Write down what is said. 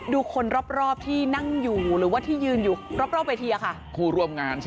ดูคนรอบที่นั่งอยู่หรือว่าที่ยืนอยู่รอบประเทียค่ะ